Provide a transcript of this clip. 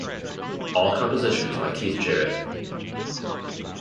All compositions by Keith Jarrett.